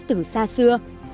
từ xa xưa